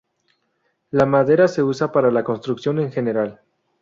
La madera se usa para la construcción en general.